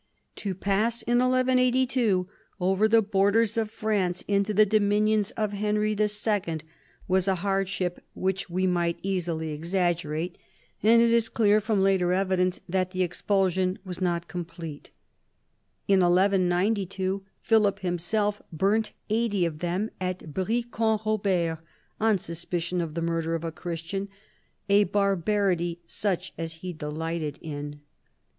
To pass in 1182 over the borders of France into the dominions of Henry II. was a hardship which we might 182 PHILIP AUGUSTUS chap. easily exaggerate ; and it is clear from later evidence that the expulsion was not complete. In 1192 Philip himself burnt eighty of them at Brie Comte Robert on suspicion of the murder of a Christian, a barbarity such as he delighted in.